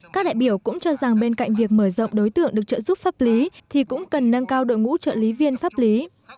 các đại biểu cũng cho rằng bên cạnh việc mở rộng đối tượng được trợ giúp pháp lý thì cũng cần nâng cao đội ngũ trợ lý viên pháp lý